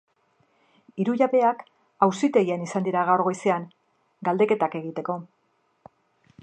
Hiru jabeak auzitegian izan dira gaur goizean, galdeketak egiteko.